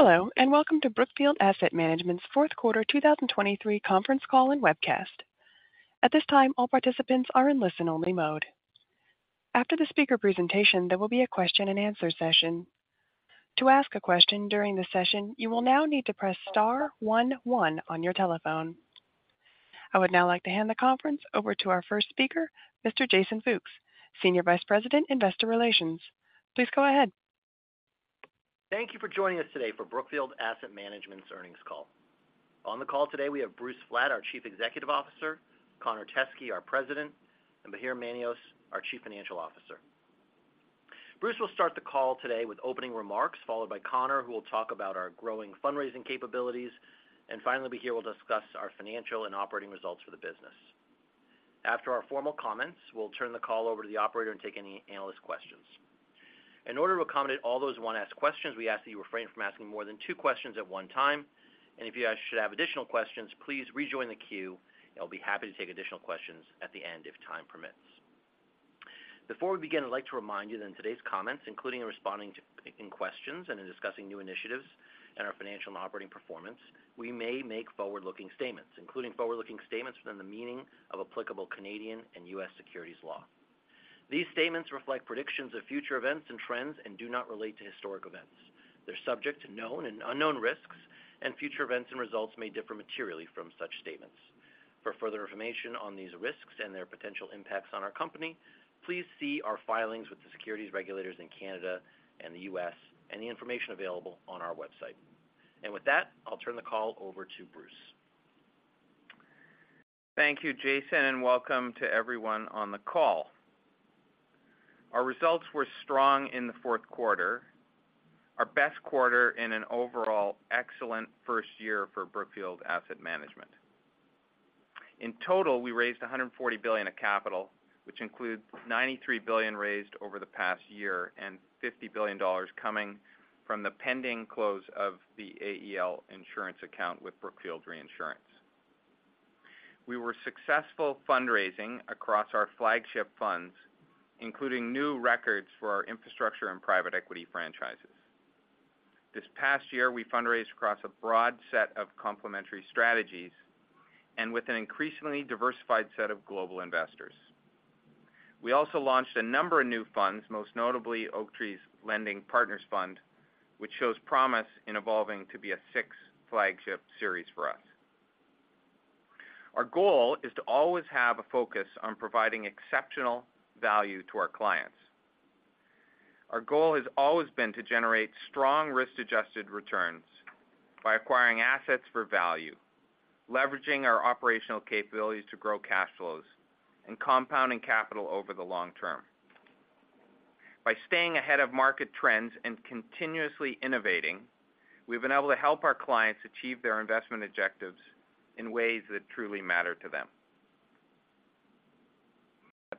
Hello, and welcome to Brookfield Asset Management's Fourth Quarter 2023 Conference Call and Webcast. At this time, all participants are in listen-only mode. After the speaker presentation, there will be a question-and-answer session. To ask a question during the session, you will now need to press star one one on your telephone. I would now like to hand the conference over to our first speaker, Mr. Jason Fooks, Senior Vice President, Investor Relations. Please go ahead. Thank you for joining us today for Brookfield Asset Management's earnings call. On the call today, we have Bruce Flatt, our Chief Executive Officer, Connor Teskey, our President, and Bahir Manios, our Chief Financial Officer. Bruce will start the call today with opening remarks, followed by Connor, who will talk about our growing fundraising capabilities, and finally, Bahir will discuss our financial and operating results for the business. After our formal comments, we'll turn the call over to the operator and take any analyst questions. In order to accommodate all those who want to ask questions, we ask that you refrain from asking more than two questions at one time, and if you guys should have additional questions, please rejoin the queue, and I'll be happy to take additional questions at the end if time permits. Before we begin, I'd like to remind you that in today's comments, including in responding to questions and in discussing new initiatives and our financial and operating performance, we may make forward-looking statements, including forward-looking statements within the meaning of applicable Canadian and U.S. securities law. These statements reflect predictions of future events and trends and do not relate to historic events. They're subject to known and unknown risks, and future events and results may differ materially from such statements. For further information on these risks and their potential impacts on our company, please see our filings with the securities regulators in Canada and the U.S., and the information available on our website. And with that, I'll turn the call over to Bruce. Thank you, Jason, and welcome to everyone on the call. Our results were strong in the fourth quarter, our best quarter in an overall excellent first year for Brookfield Asset Management. In total, we raised $140 billion of capital, which includes $93 billion raised over the past year and $50 billion coming from the pending close of the AEL insurance acquisition with Brookfield Reinsurance. We were successful fundraising across our flagship funds, including new records for our infrastructure and private equity franchises. This past year, we fundraised across a broad set of complementary strategies and with an increasingly diversified set of global investors. We also launched a number of new funds, most notably Oaktree's Lending Partners Fund, which shows promise in evolving to be a sixth flagship series for us. Our goal is to always have a focus on providing exceptional value to our clients. Our goal has always been to generate strong risk-adjusted returns by acquiring assets for value, leveraging our operational capabilities to grow cash flows, and compounding capital over the long term. By staying ahead of market trends and continuously innovating, we've been able to help our clients achieve their investment objectives in ways that truly matter to them.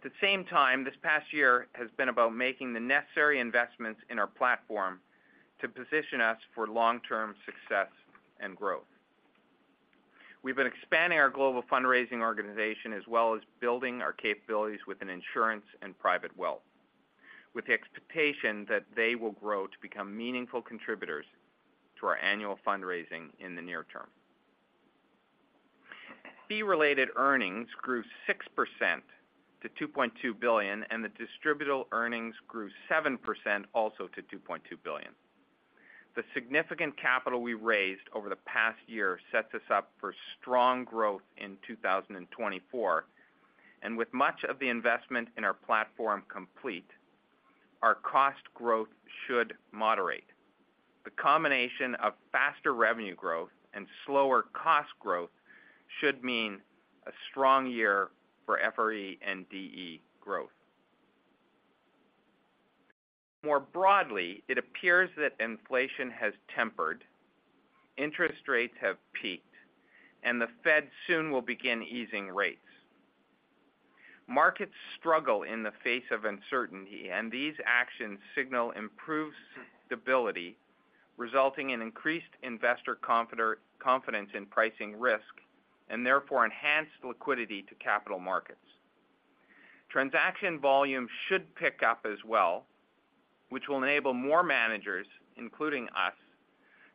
At the same time, this past year has been about making the necessary investments in our platform to position us for long-term success and growth. We've been expanding our global fundraising organization as well as building our capabilities with an insurance and private wealth, with the expectation that they will grow to become meaningful contributors to our annual fundraising in the near term. Fee-related earnings grew 6% to $2.2 billion, and the distributable earnings grew 7%, also to $2.2 billion. The significant capital we raised over the past year sets us up for strong growth in 2024, and with much of the investment in our platform complete, our cost growth should moderate. The combination of faster revenue growth and slower cost growth should mean a strong year for FRE and DE growth. More broadly, it appears that inflation has tempered, interest rates have peaked, and the Fed soon will begin easing rates. Markets struggle in the face of uncertainty, and these actions signal improved stability, resulting in increased investor confidence in pricing risk and therefore enhanced liquidity to capital markets. Transaction volume should pick up as well, which will enable more managers, including us,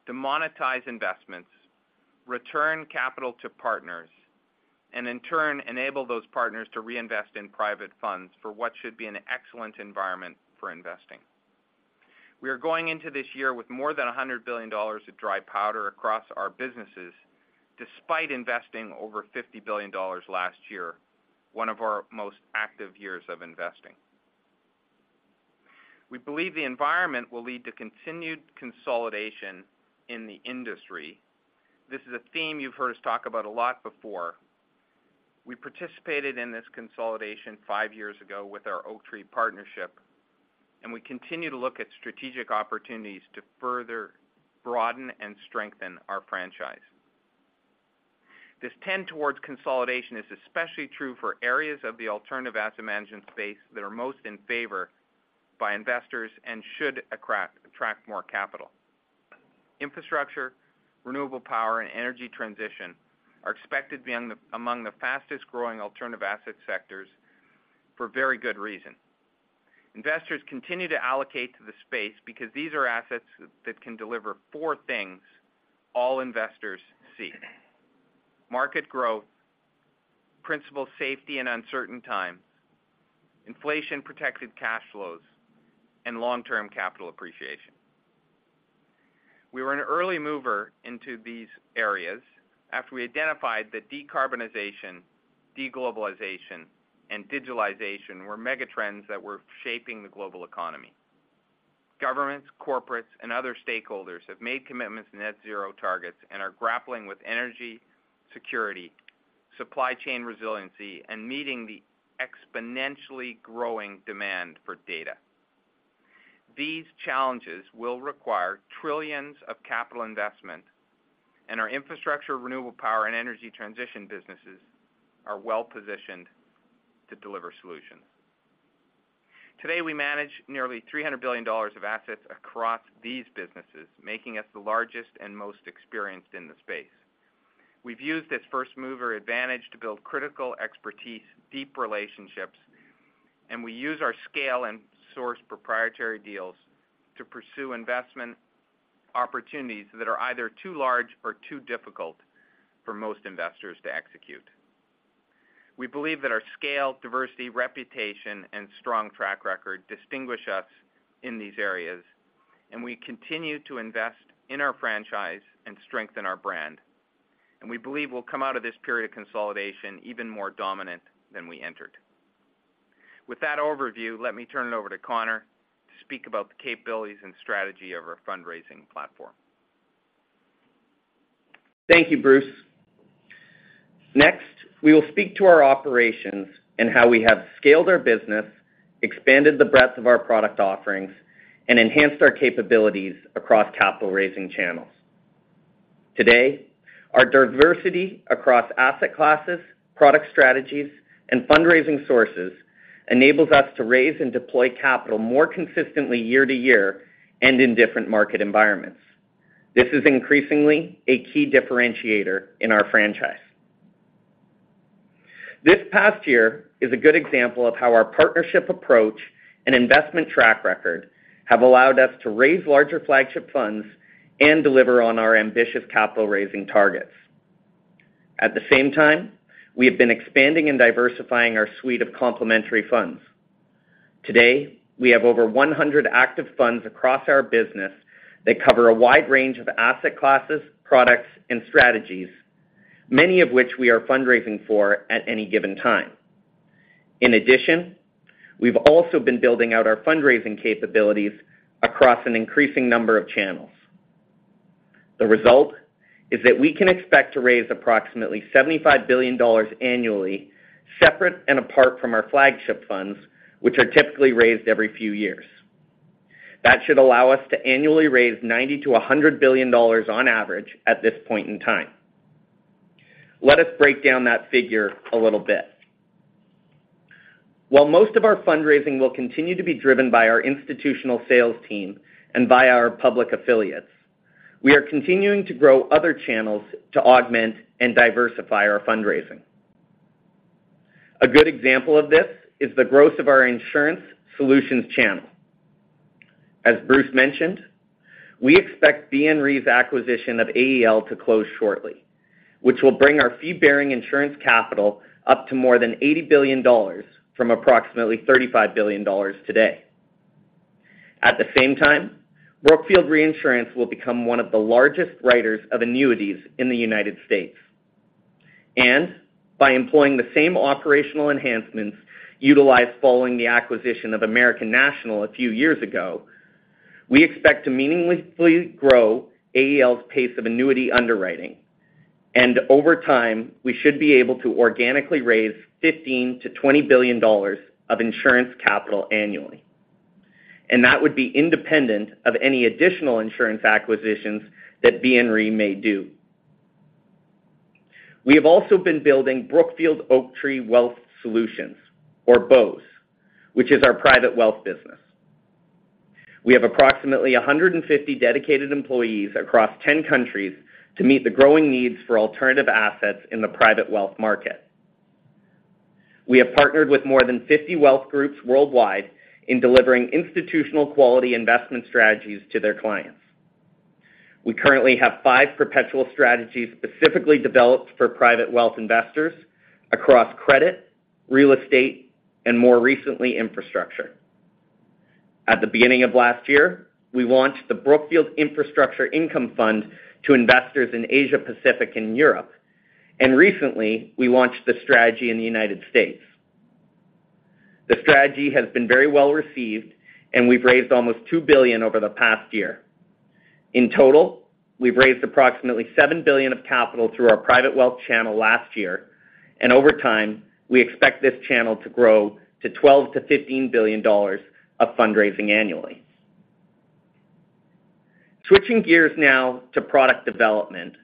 to monetize investments, return capital to partners, and in turn, enable those partners to reinvest in private funds for what should be an excellent environment for investing. We are going into this year with more than $100 billion of dry powder across our businesses, despite investing over $50 billion last year, one of our most active years of investing. We believe the environment will lead to continued consolidation in the industry. This is a theme you've heard us talk about a lot before. We participated in this consolidation 5 years ago with our Oaktree partnership, and we continue to look at strategic opportunities to further broaden and strengthen our franchise. This tend towards consolidation is especially true for areas of the alternative asset management space that are most in favor by investors and should attract, attract more capital. Infrastructure, renewable power, and energy transition are expected to be among the fastest-growing alternative asset sectors for very good reason.... Investors continue to allocate to the space because these are assets that can deliver four things all investors see: market growth, principal safety in uncertain times, inflation-protected cash flows, and long-term capital appreciation. We were an early mover into these areas after we identified that decarbonization, deglobalization, and digitalization were megatrends that were shaping the global economy. Governments, corporates, and other stakeholders have made commitments to net zero targets and are grappling with energy security, supply chain resiliency, and meeting the exponentially growing demand for data. These challenges will require trillions of capital investment, and our infrastructure, renewable power, and energy transition businesses are well-positioned to deliver solutions. Today, we manage nearly $300 billion of assets across these businesses, making us the largest and most experienced in the space. We've used this first-mover advantage to build critical expertise, deep relationships, and we use our scale and source proprietary deals to pursue investment opportunities that are either too large or too difficult for most investors to execute. We believe that our scale, diversity, reputation, and strong track record distinguish us in these areas, and we continue to invest in our franchise and strengthen our brand. We believe we'll come out of this period of consolidation even more dominant than we entered. With that overview, let me turn it over to Connor to speak about the capabilities and strategy of our fundraising platform. Thank you, Bruce. Next, we will speak to our operations and how we have scaled our business, expanded the breadth of our product offerings, and enhanced our capabilities across capital-raising channels. Today, our diversity across asset classes, product strategies, and fundraising sources enables us to raise and deploy capital more consistently year to year and in different market environments. This is increasingly a key differentiator in our franchise. This past year is a good example of how our partnership approach and investment track record have allowed us to raise larger flagship funds and deliver on our ambitious capital-raising targets. At the same time, we have been expanding and diversifying our suite of complementary funds. Today, we have over 100 active funds across our business that cover a wide range of asset classes, products, and strategies, many of which we are fundraising for at any given time. In addition, we've also been building out our fundraising capabilities across an increasing number of channels. The result is that we can expect to raise approximately $75 billion annually, separate and apart from our flagship funds, which are typically raised every few years. That should allow us to annually raise $90 billion-$100 billion on average at this point in time. Let us break down that figure a little bit. While most of our fundraising will continue to be driven by our institutional sales team and by our public affiliates, we are continuing to grow other channels to augment and diversify our fundraising. A good example of this is the growth of our insurance solutions channel. As Bruce mentioned, we expect BNRE's acquisition of AEL to close shortly, which will bring our fee-bearing insurance capital up to more than $80 billion from approximately $35 billion today. At the same time, Brookfield Reinsurance will become one of the largest writers of annuities in the United States, and by employing the same operational enhancements utilized following the acquisition of American National a few years ago, we expect to meaningfully grow AEL's pace of annuity underwriting, and over time, we should be able to organically raise $15 billion-$20 billion of insurance capital annually, and that would be independent of any additional insurance acquisitions that BNRE may do. We have also been building Brookfield Oaktree Wealth Solutions, or BOWS, which is our private wealth business. We have approximately 150 dedicated employees across 10 countries to meet the growing needs for alternative assets in the private wealth market. We have partnered with more than 50 wealth groups worldwide in delivering institutional quality investment strategies to their clients. We currently have five perpetual strategies specifically developed for private wealth investors across credit, real estate, and more recently, infrastructure. At the beginning of last year, we launched the Brookfield Infrastructure Income Fund to investors in Asia Pacific and Europe, and recently, we launched the strategy in the United States. The strategy has been very well received, and we've raised almost $2 billion over the past year. In total, we've raised approximately $7 billion of capital through our private wealth channel last year, and over time, we expect this channel to grow to $12 billion-$15 billion of fundraising annually. Switching gears now to product development.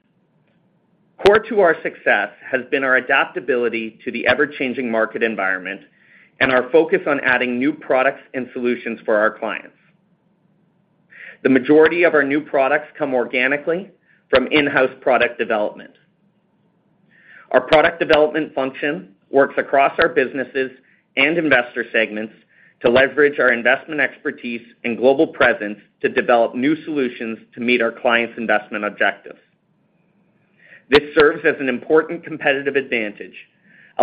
Core to our success has been our adaptability to the ever-changing market environment and our focus on adding new products and solutions for our clients.... The majority of our new products come organically from in-house product development. Our product development function works across our businesses and investor segments to leverage our investment expertise and global presence to develop new solutions to meet our clients' investment objectives. This serves as an important competitive advantage,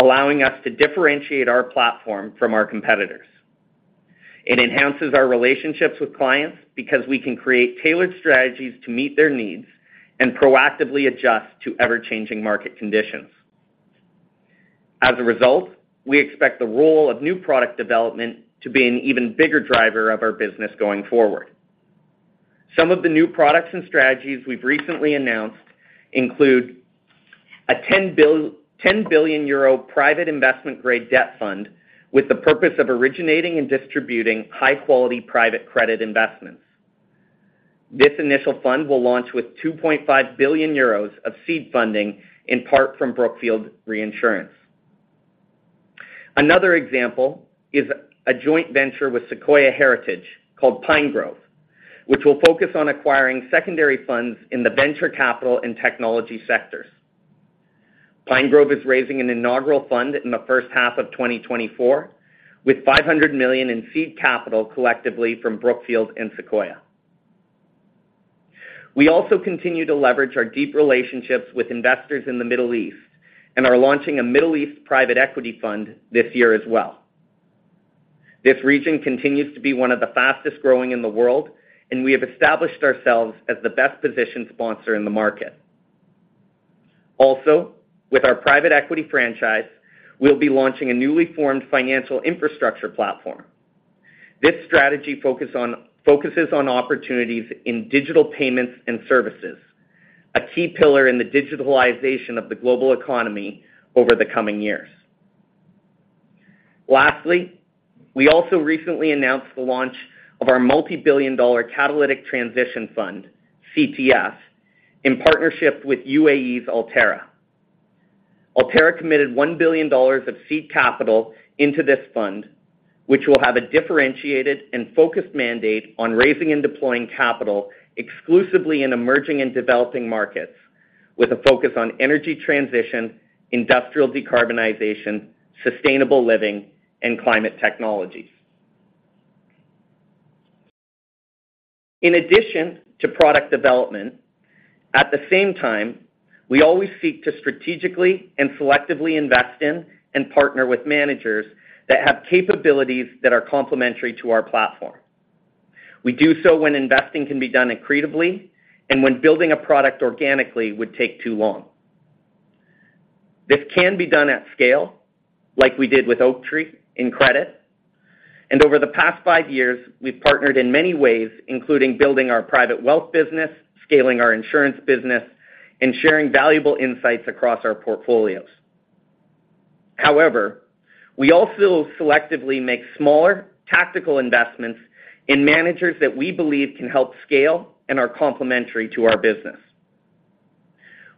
allowing us to differentiate our platform from our competitors. It enhances our relationships with clients because we can create tailored strategies to meet their needs and proactively adjust to ever-changing market conditions. As a result, we expect the role of new product development to be an even bigger driver of our business going forward. Some of the new products and strategies we've recently announced include a 10 billion euro private investment-grade debt fund, with the purpose of originating and distributing high-quality private credit investments. This initial fund will launch with 2.5 billion euros of seed funding, in part from Brookfield Reinsurance. Another example is a joint venture with Sequoia Heritage, called Pinegrove, which will focus on acquiring secondary funds in the venture capital and technology sectors. Pinegrove is raising an inaugural fund in the first half of 2024, with $500 million in seed capital collectively from Brookfield and Sequoia. We also continue to leverage our deep relationships with investors in the Middle East, and are launching a Middle East private equity fund this year as well. This region continues to be one of the fastest-growing in the world, and we have established ourselves as the best-positioned sponsor in the market. Also, with our private equity franchise, we'll be launching a newly formed financial infrastructure platform. This strategy focuses on opportunities in digital payments and services, a key pillar in the digitalization of the global economy over the coming years. Lastly, we also recently announced the launch of our multibillion-dollar Catalytic Transition Fund, CTF, in partnership with UAE's ALTÉRRA. ALTÉRRA committed $1 billion of seed capital into this fund, which will have a differentiated and focused mandate on raising and deploying capital exclusively in emerging and developing markets, with a focus on energy transition, industrial decarbonization, sustainable living, and climate technologies. In addition to product development, at the same time, we always seek to strategically and selectively invest in and partner with managers that have capabilities that are complementary to our platform. We do so when investing can be done accretively and when building a product organically would take too long. This can be done at scale, like we did with Oaktree in credit, and over the past five years, we've partnered in many ways, including building our private wealth business, scaling our insurance business, and sharing valuable insights across our portfolios. However, we also selectively make smaller tactical investments in managers that we believe can help scale and are complementary to our business.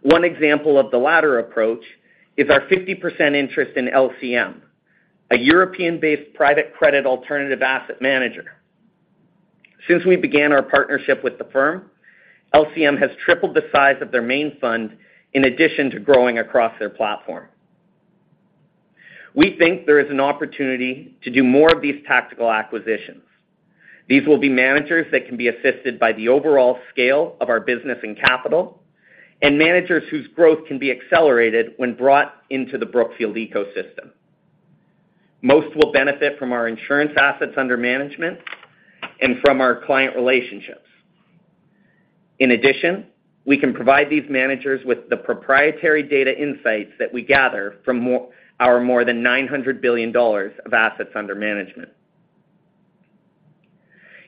One example of the latter approach is our 50% interest in LCM, a European-based private credit alternative asset manager. Since we began our partnership with the firm, LCM has tripled the size of their main fund in addition to growing across their platform. We think there is an opportunity to do more of these tactical acquisitions. These will be managers that can be assisted by the overall scale of our business and capital, and managers whose growth can be accelerated when brought into the Brookfield ecosystem. Most will benefit from our insurance assets under management and from our client relationships. In addition, we can provide these managers with the proprietary data insights that we gather from our more than $900 billion of assets under management.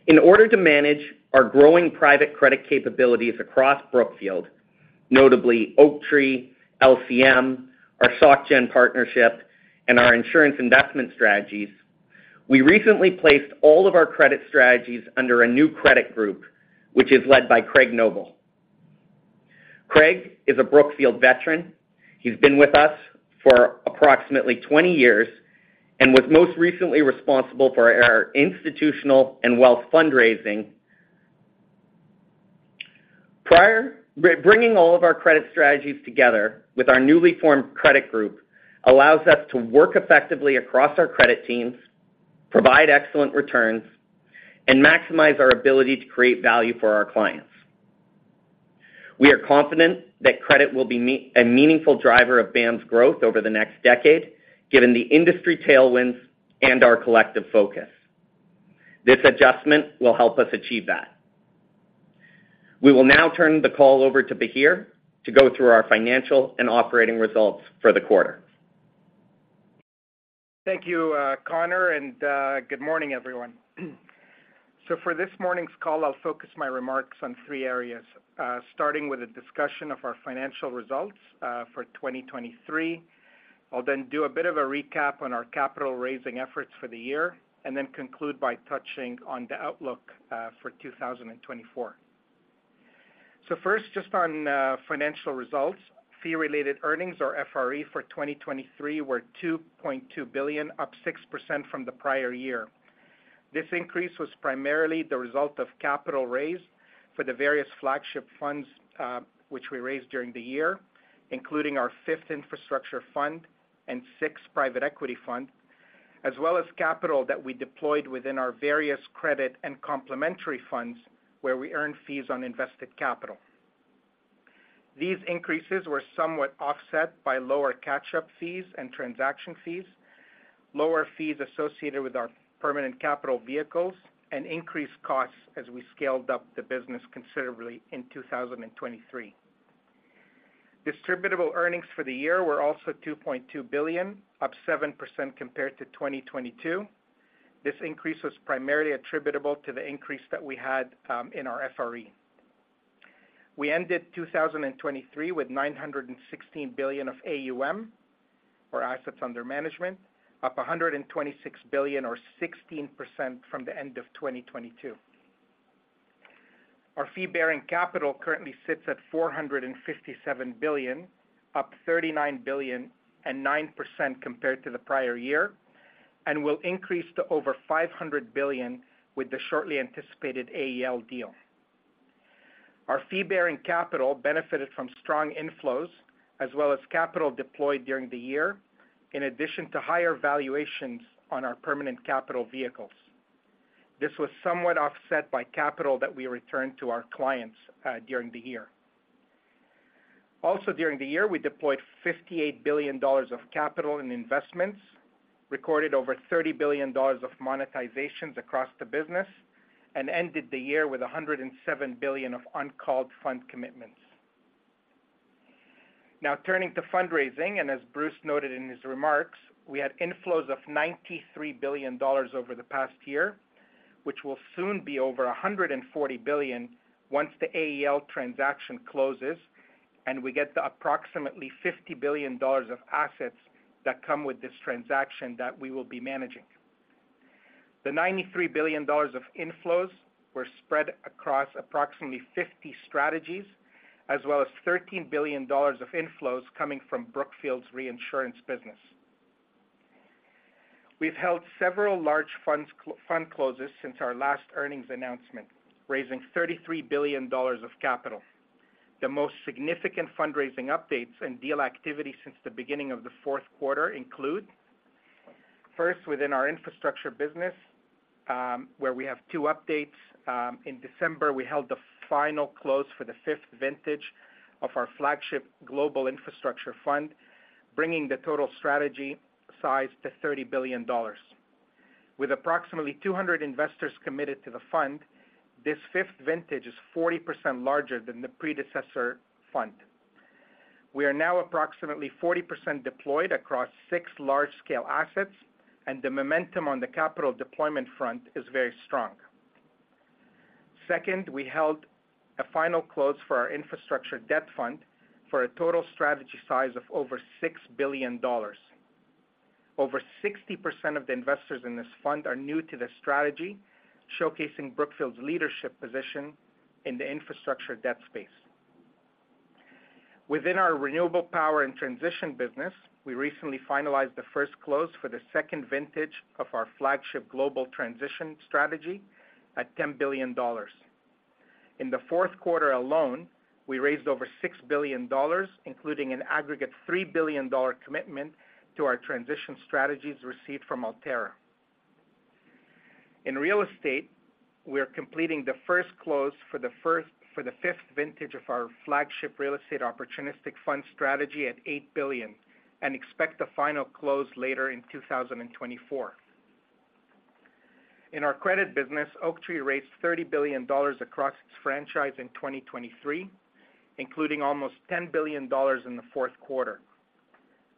In order to manage our growing private credit capabilities across Brookfield, notably Oaktree, LCM, our SocGen partnership, and our insurance investment strategies, we recently placed all of our credit strategies under a new credit group, which is led by Craig Noble. Craig is a Brookfield veteran. He's been with us for approximately 20 years and was most recently responsible for our institutional and wealth fundraising. Bringing all of our credit strategies together with our newly formed credit group allows us to work effectively across our credit teams, provide excellent returns, and maximize our ability to create value for our clients. We are confident that credit will be a meaningful driver of BAM's growth over the next decade, given the industry tailwinds and our collective focus. This adjustment will help us achieve that. We will now turn the call over to Bahir to go through our financial and operating results for the quarter. Thank you, Connor, and good morning, everyone. So for this morning's call, I'll focus my remarks on three areas, starting with a discussion of our financial results for 2023. I'll then do a bit of a recap on our capital raising efforts for the year, and then conclude by touching on the outlook for 2024.... So first, just on financial results. Fee-related earnings or FRE for 2023 were $2.2 billion, up 6% from the prior year. This increase was primarily the result of capital raised for the various flagship funds, which we raised during the year, including our fifth infrastructure fund and sixth private equity fund, as well as capital that we deployed within our various credit and complementary funds, where we earn fees on invested capital. These increases were somewhat offset by lower catch-up fees and transaction fees, lower fees associated with our permanent capital vehicles, and increased costs as we scaled up the business considerably in 2023. Distributable earnings for the year were also $2.2 billion, up 7% compared to 2022. This increase was primarily attributable to the increase that we had in our FRE. We ended 2023 with $916 billion of AUM, or Assets Under Management, up $126 billion or 16% from the end of 2022. Our fee-bearing capital currently sits at $457 billion, up $39 billion and 9% compared to the prior year, and will increase to over $500 billion with the shortly anticipated AEL deal. Our fee-bearing capital benefited from strong inflows as well as capital deployed during the year, in addition to higher valuations on our permanent capital vehicles. This was somewhat offset by capital that we returned to our clients during the year. Also, during the year, we deployed $58 billion of capital in investments, recorded over $30 billion of monetizations across the business, and ended the year with $107 billion of uncalled fund commitments. Now turning to fundraising, and as Bruce noted in his remarks, we had inflows of $93 billion over the past year, which will soon be over $140 billion once the AEL transaction closes, and we get the approximately $50 billion of assets that come with this transaction that we will be managing. The $93 billion of inflows were spread across approximately 50 strategies, as well as $13 billion of inflows coming from Brookfield's reinsurance business. We've held several large fund closes since our last earnings announcement, raising $33 billion of capital. The most significant fundraising updates and deal activity since the beginning of the fourth quarter include: first, within our infrastructure business, where we have two updates. In December, we held the final close for the fifth vintage of our flagship global infrastructure fund, bringing the total strategy size to $30 billion. With approximately 200 investors committed to the fund, this fifth vintage is 40% larger than the predecessor fund. We are now approximately 40% deployed across six large-scale assets, and the momentum on the capital deployment front is very strong. Second, we held a final close for our Infrastructure Debt Fund for a total strategy size of over $6 billion. Over 60% of the investors in this fund are new to the strategy, showcasing Brookfield's leadership position in the infrastructure debt space. Within our renewable power and transition business, we recently finalized the first close for the second vintage of our flagship global transition strategy at $10 billion. In the fourth quarter alone, we raised over $6 billion, including an aggregate $3 billion commitment to our transition strategies received from ALTÉRRA. In real estate, we are completing the first close for the fifth vintage of our flagship real estate opportunistic fund strategy at $8 billion and expect a final close later in 2024. In our credit business, Oaktree raised $30 billion across its franchise in 2023, including almost $10 billion in the fourth quarter.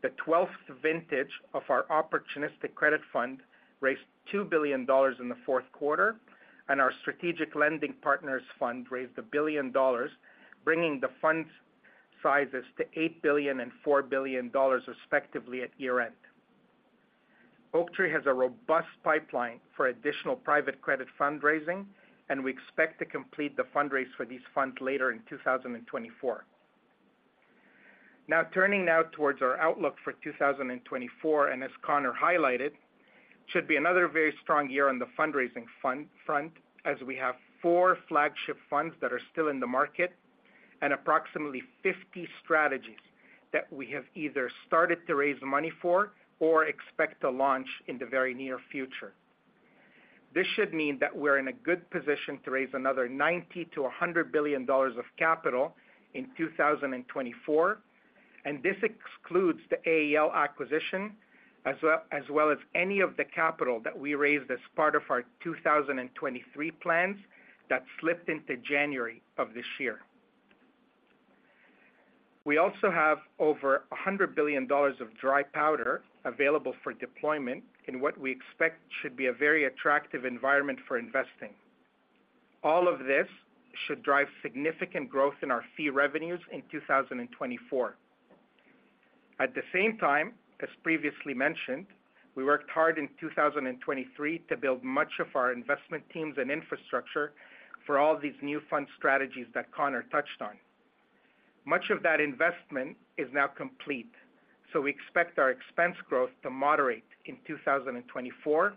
The 12th vintage of our opportunistic credit fund raised $2 billion in the fourth quarter, and our Strategic Lending Partners Fund raised $1 billion, bringing the fund sizes to $8 billion and $4 billion, respectively, at year-end. Oaktree has a robust pipeline for additional private credit fundraising, and we expect to complete the fundraise for these funds later in 2024. Now, turning now towards our outlook for 2024, and as Connor highlighted, should be another very strong year on the fundraising fun-front, as we have 4 flagship funds that are still in the market and approximately 50 strategies that we have either started to raise money for or expect to launch in the very near future. This should mean that we're in a good position to raise another $90 billion-$100 billion of capital in 2024, and this excludes the AEL acquisition, as well, as well as any of the capital that we raised as part of our 2023 plans that slipped into January of this year. We also have over $100 billion of dry powder available for deployment in what we expect should be a very attractive environment for investing. All of this should drive significant growth in our fee revenues in 2024.... At the same time, as previously mentioned, we worked hard in 2023 to build much of our investment teams and infrastructure for all these new fund strategies that Connor touched on. Much of that investment is now complete, so we expect our expense growth to moderate in 2024,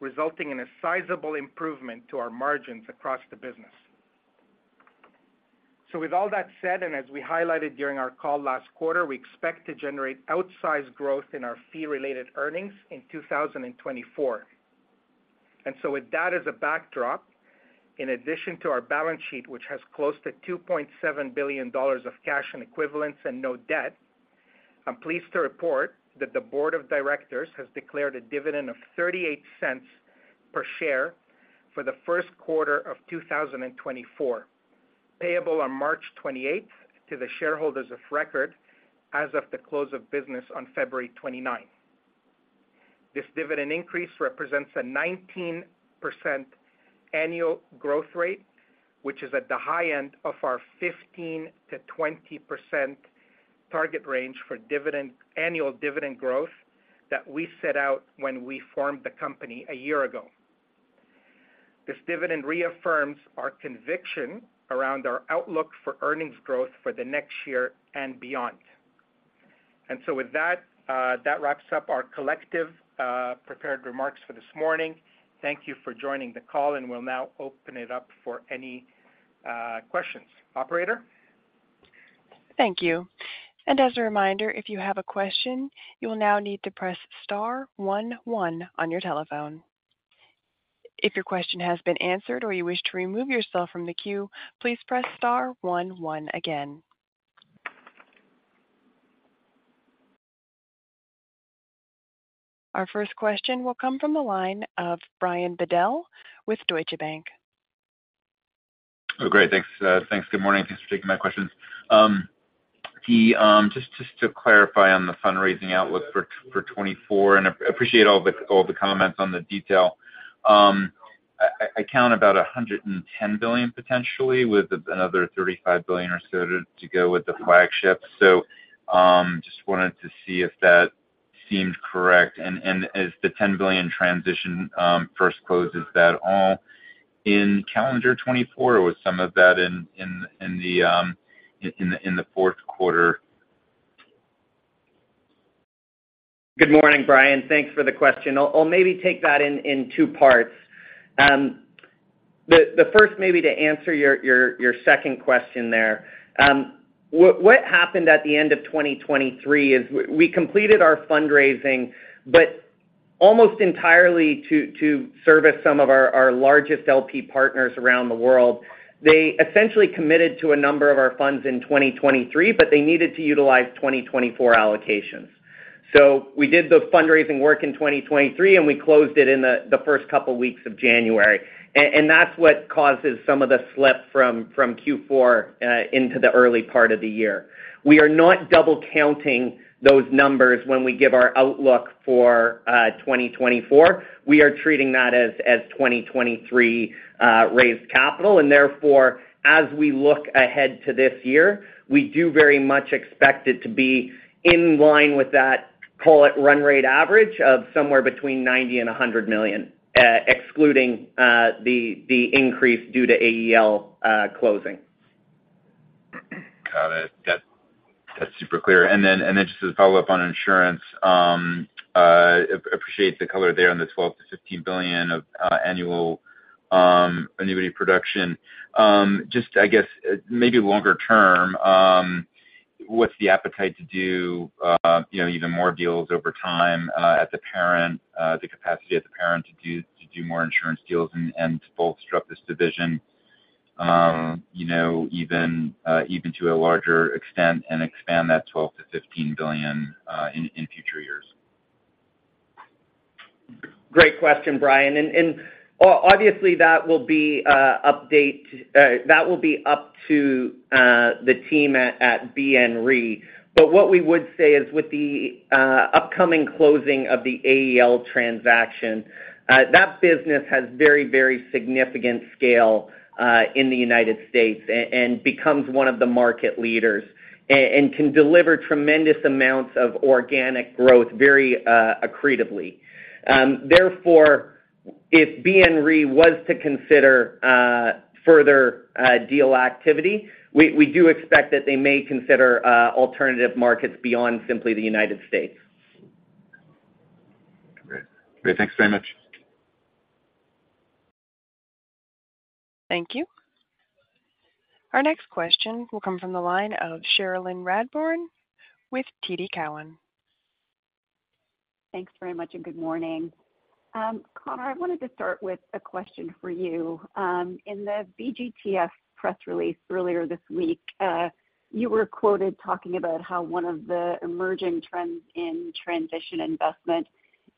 resulting in a sizable improvement to our margins across the business. So with all that said, and as we highlighted during our call last quarter, we expect to generate outsized growth in our fee-related earnings in 2024. And so with that as a backdrop, in addition to our balance sheet, which has close to $2.7 billion of cash and equivalents and no debt, I'm pleased to report that the board of directors has declared a dividend of $0.38 per share for the first quarter of 2024, payable on March twenty-eighth to the shareholders of record as of the close of business on February twenty-ninth. This dividend increase represents a 19% annual growth rate, which is at the high end of our 15%-20% target range for dividend annual dividend growth that we set out when we formed the company a year ago. This dividend reaffirms our conviction around our outlook for earnings growth for the next year and beyond. And so with that, that wraps up our collective prepared remarks for this morning. Thank you for joining the call, and we'll now open it up for any questions. Operator? Thank you. As a reminder, if you have a question, you will now need to press star one, one on your telephone. If your question has been answered or you wish to remove yourself from the queue, please press star one, one again. Our first question will come from the line of Brian Bedell with Deutsche Bank. Oh, great. Thanks, thanks. Good morning. Thanks for taking my questions. Just to clarify on the fundraising outlook for 2024, and I appreciate all the comments on the detail. I count about $110 billion potentially, with another $35 billion or so to go with the flagship. So, just wanted to see if that seemed correct. And as the $10 billion transition first closes, is that all in calendar 2024, or was some of that in the fourth quarter? Good morning, Brian. Thanks for the question. I'll maybe take that in two parts. The first, maybe to answer your second question there. What happened at the end of 2023 is we completed our fundraising, but almost entirely to service some of our largest LP partners around the world. They essentially committed to a number of our funds in 2023, but they needed to utilize 2024 allocations. So we did the fundraising work in 2023, and we closed it in the first couple weeks of January. And that's what causes some of the slip from Q4 into the early part of the year. We are not double counting those numbers when we give our outlook for 2024. We are treating that as 2023 raised capital, and therefore, as we look ahead to this year, we do very much expect it to be in line with that, call it run rate average of somewhere between $90 million and $100 million, excluding the increase due to AEL closing. Got it. That's, that's super clear. And then, and then just as a follow-up on insurance, appreciate the color there on the $12 billion-$15 billion of annual annuity production. Just, I guess, maybe longer term, what's the appetite to do, you know, even more deals over time, at the parent, the capacity at the parent to do, to do more insurance deals and, and to bolster up this division, you know, even, even to a larger extent and expand that $12 billion-$15 billion in future years? Great question, Brian. And, obviously, that will be up to the team at BNRE. But what we would say is with the upcoming closing of the AEL transaction, that business has very, very significant scale in the United States and becomes one of the market leaders and can deliver tremendous amounts of organic growth very accretively. Therefore, if BNRE was to consider further deal activity, we do expect that they may consider alternative markets beyond simply the United States. Great. Great. Thanks very much. Thank you. Our next question will come from the line of Cherilyn Radbourne with TD Cowen. Thanks very much, and good morning. Connor, I wanted to start with a question for you. In the BGTF press release earlier this week, you were quoted talking about how one of the emerging trends in transition investment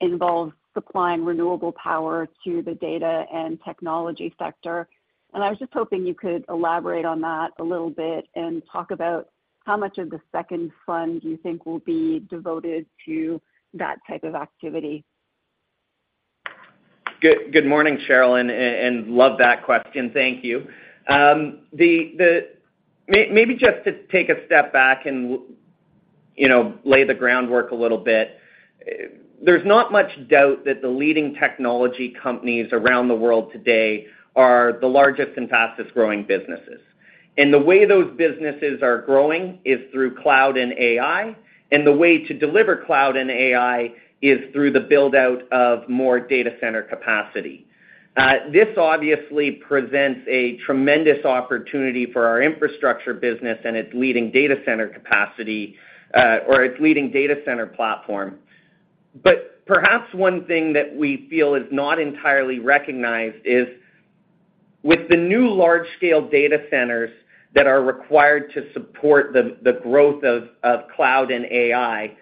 involves supplying renewable power to the data and technology sector. And I was just hoping you could elaborate on that a little bit and talk about how much of the second fund you think will be devoted to that type of activity? Good morning, Cheryl, and love that question. Thank you. Maybe just to take a step back and you know, lay the groundwork a little bit. There's not much doubt that the leading technology companies around the world today are the largest and fastest-growing businesses. And the way those businesses are growing is through cloud and AI, and the way to deliver cloud and AI is through the build-out of more data center capacity. This obviously presents a tremendous opportunity for our infrastructure business and its leading data center capacity, or its leading data center platform. But perhaps one thing that we feel is not entirely recognized is, with the new large-scale data centers that are required to support the growth of cloud and AI,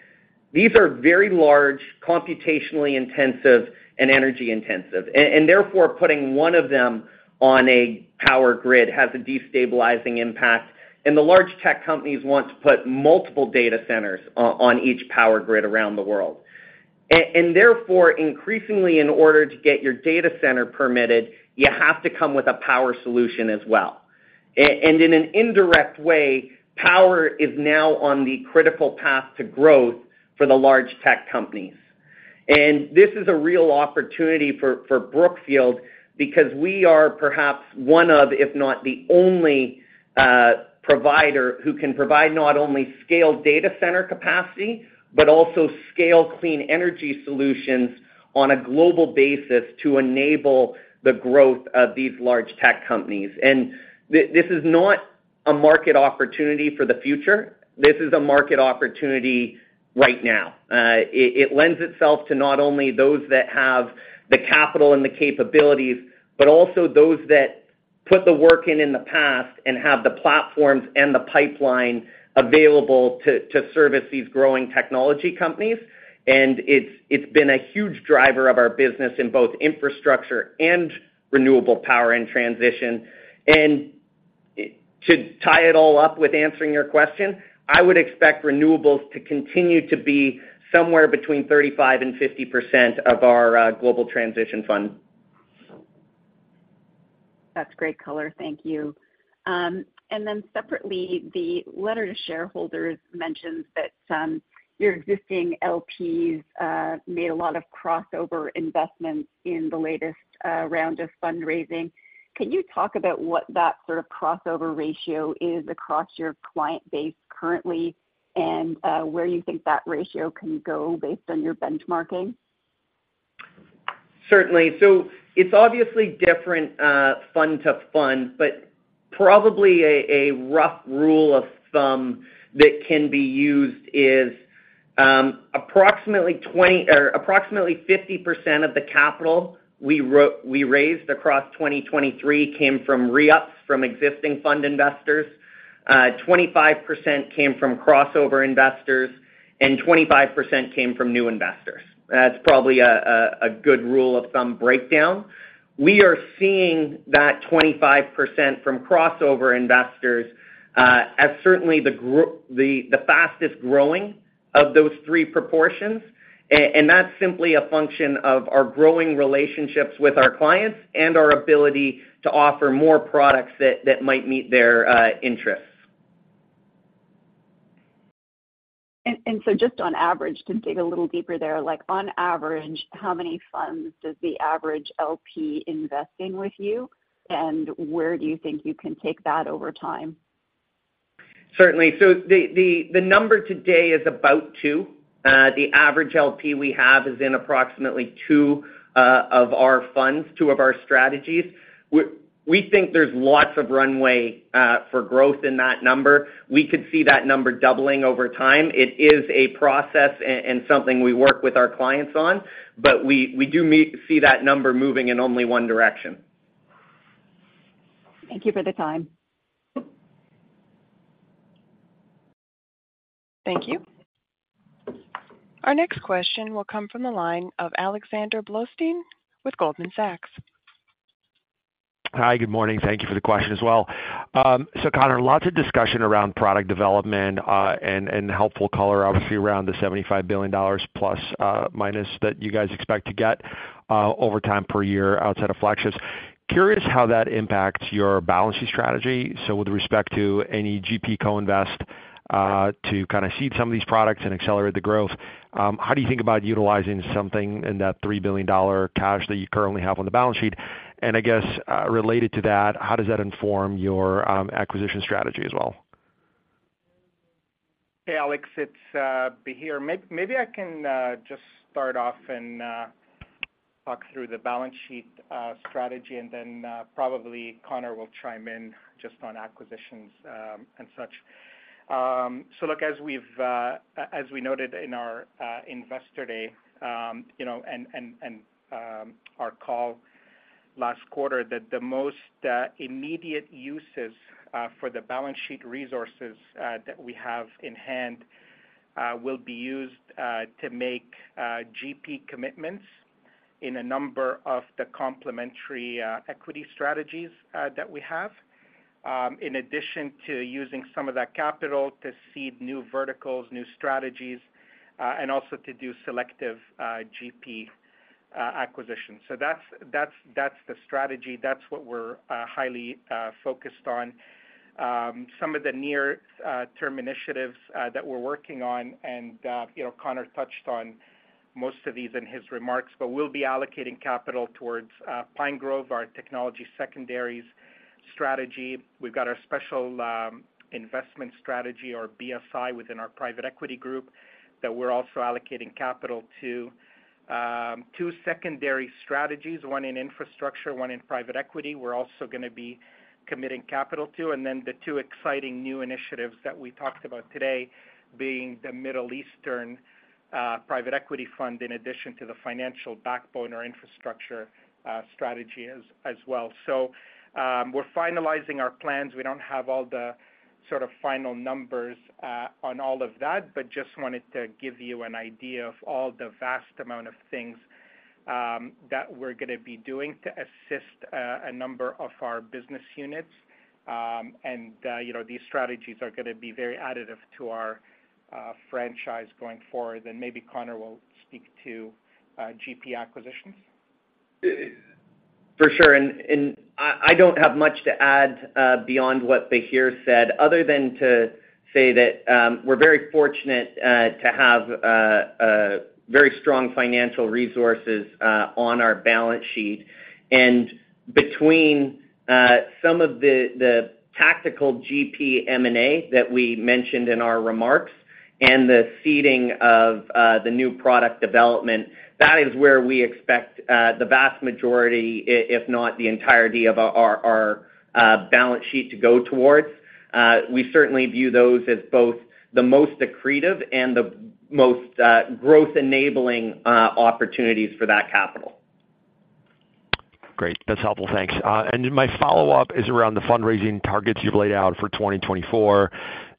these are very large, computationally intensive and energy intensive. And therefore, putting one of them on a power grid has a destabilizing impact, and the large tech companies want to put multiple data centers on each power grid around the world. And therefore, increasingly, in order to get your data center permitted, you have to come with a power solution as well. And in an indirect way, power is now on the critical path to growth for the large tech companies. And this is a real opportunity for Brookfield, because we are perhaps one of, if not, the only provider who can provide not only scaled data center capacity, but also scale clean energy solutions on a global basis to enable the growth of these large tech companies. And this is not a market opportunity for the future, this is a market opportunity right now. It lends itself to not only those that have the capital and the capabilities, but also those that put the work in in the past and have the platforms and the pipeline available to service these growing technology companies. And it's been a huge driver of our business in both infrastructure and renewable power and transition. And to tie it all up with answering your question, I would expect renewables to continue to be somewhere between 35% and 50% of our Global Transition Fund. That's great color. Thank you. And then separately, the letter to shareholders mentions that your existing LPs made a lot of crossover investments in the latest round of fundraising. Can you talk about what that sort of crossover ratio is across your client base currently, and where you think that ratio can go based on your benchmarking? Certainly. So it's obviously different, fund to fund, but probably a rough rule of thumb that can be used is approximately fifty percent of the capital we raised across 2023 came from re-ups from existing fund investors, 25% came from crossover investors, and 25% came from new investors. That's probably a good rule of thumb breakdown. We are seeing that 25% from crossover investors as certainly the fastest growing of those three proportions. And that's simply a function of our growing relationships with our clients and our ability to offer more products that might meet their interests. And so just on average, to dig a little deeper there, like, on average, how many funds does the average LP invest in with you? And where do you think you can take that over time? Certainly. So the number today is about two. The average LP we have is in approximately two of our funds, two of our strategies. We think there's lots of runway for growth in that number. We could see that number doubling over time. It is a process and something we work with our clients on, but we do see that number moving in only one direction. Thank you for the time. Thank you. Our next question will come from the line of Alexander Blostein with Goldman Sachs. Hi, good morning. Thank you for the question as well. So Connor, lots of discussion around product development, and helpful color obviously around the $75 billion plus, minus that you guys expect to get, over time per year outside of flagships. Curious how that impacts your balancing strategy. So with respect to any GP co-invest, to kind of seed some of these products and accelerate the growth, how do you think about utilizing something in that $3 billion cash that you currently have on the balance sheet? And I guess, related to that, how does that inform your, acquisition strategy as well? Hey, Alex, it's Bahir. Maybe I can just start off and talk through the balance sheet strategy, and then probably Connor will chime in just on acquisitions and such. So look, as we noted in our Investor Day, you know, and our call last quarter, that the most immediate uses for the balance sheet resources that we have in hand will be used to make GP commitments in a number of the complementary equity strategies that we have, in addition to using some of that capital to seed new verticals, new strategies, and also to do selective GP acquisitions. So that's the strategy. That's what we're highly focused on. Some of the near-term initiatives that we're working on, and, you know, Connor touched on most of these in his remarks, but we'll be allocating capital towards Pinegrove, our technology secondaries strategy. We've got our special investment strategy, or BSI, within our private equity group that we're also allocating capital to. Two secondary strategies, one in infrastructure, one in private equity, we're also gonna be committing capital to. And then the two exciting new initiatives that we talked about today being the Middle Eastern private equity fund, in addition to the financial backbone or infrastructure strategy as well. So, we're finalizing our plans. We don't have all the sort of final numbers on all of that, but just wanted to give you an idea of all the vast amount of things that we're gonna be doing to assist a number of our business units. You know, these strategies are gonna be very additive to our franchise going forward. Then maybe Connor will speak to GP acquisitions. For sure. And I don't have much to add beyond what Bahir said, other than to say that we're very fortunate to have a very strong financial resources on our balance sheet. And between some of the tactical GP M&A that we mentioned in our remarks and the seeding of the new product development, that is where we expect the vast majority, if not the entirety of our balance sheet to go towards. We certainly view those as both the most accretive and the most growth-enabling opportunities for that capital. Great. That's helpful. Thanks. And my follow-up is around the fundraising targets you've laid out for 2024.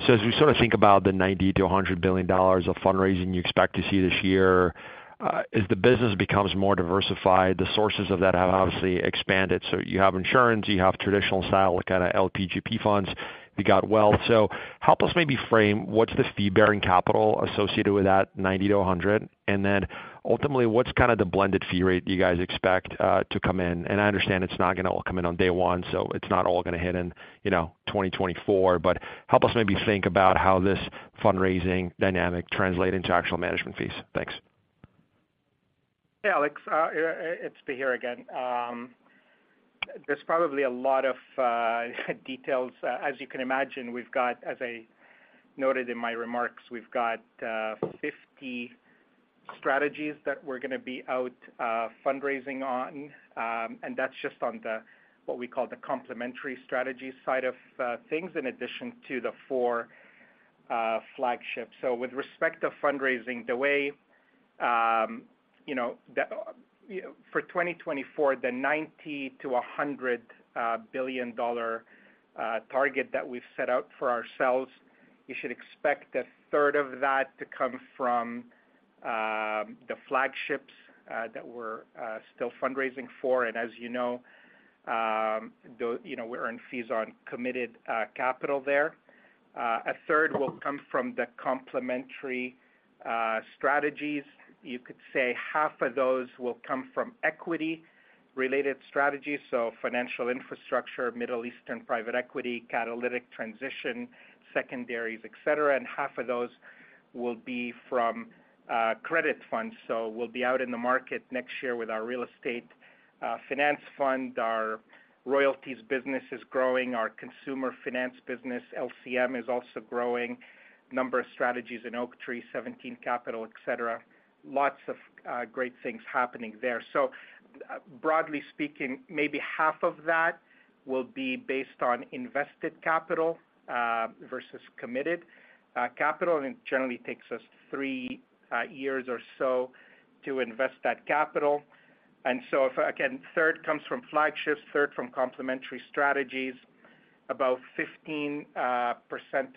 So as we sort of think about the $90 billion-$100 billion of fundraising you expect to see this year, as the business becomes more diversified, the sources of that have obviously expanded. So you have insurance, you have traditional style, like kind of LP/GP funds, you got wealth. So help us maybe frame what's the fee-bearing capital associated with that $90 billion-$100 billion? And then ultimately, what's kind of the blended fee rate you guys expect to come in? And I understand it's not gonna all come in on day one, so it's not all gonna hit in, you know, 2024, but help us maybe think about how this fundraising dynamic translate into actual management fees. Thanks. Hey, Alex, it's Bahir again. There's probably a lot of details. As you can imagine, we've got, as I noted in my remarks, we've got 50 strategies that we're gonna be out fundraising on. And that's just on the, what we call the complementary strategy side of things, in addition to the 4 flagships. So with respect to fundraising, the way, you know, the for 2024, the $90 billion-$100 billion target that we've set out for ourselves, you should expect a third of that to come from the flagships that we're still fundraising for. And as you know, the, you know, we earn fees on committed capital there. A third will come from the complementary strategies. You could say half of those will come from equity-related strategies, so financial infrastructure, Middle Eastern private equity, catalytic transition, secondaries, et cetera, and half of those will be from credit funds. So we'll be out in the market next year with our real estate finance fund. Our royalties business is growing, our consumer finance business, LCM, is also growing, number of strategies in Oaktree, 17Capital, etc. Lots of great things happening there. So broadly speaking, maybe half of that will be based on invested capital versus committed capital, and it generally takes us 3 years or so to invest that capital. And so if, again, third comes from flagships, third from complementary strategies, about 15%